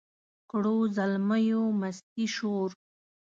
کړو زلمیو مستي شور